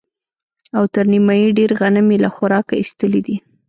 او تر نيمايي ډېر غنم يې له خوراکه ايستلي دي.